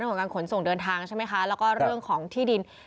ของการขนส่งเดินทางใช่ไหมคะแล้วก็เรื่องของที่ดิน